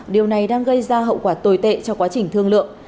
điều này đang gây ra hậu quả tồi tệ cho quá trình thương lượng